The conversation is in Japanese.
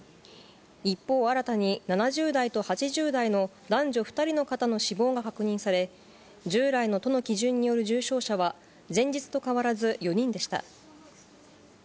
一方、新たに７０代と８０代の男女２人の方の死亡が確認され、従来の都の基準による重症者は、前日と変わらず４人でした。